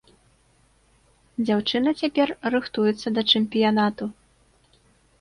Дзяўчына цяпер рыхтуецца да чэмпіянату.